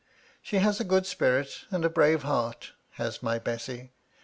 She has ' a good spirit, and a brave heart, has my Bessy